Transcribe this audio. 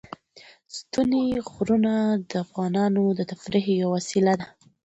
ستوني غرونه د افغانانو د تفریح یوه وسیله ده.